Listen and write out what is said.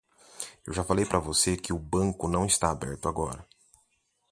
Eu já falei pra você que o banco não está aberto agora.